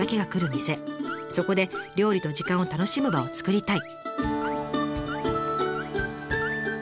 そこで料理と時間を楽しむ場を作りたい」。